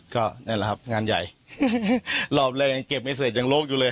ก็นี่แหละครับงานใหญ่รอบแรกยังเก็บไม่เสร็จยังโลกอยู่เลย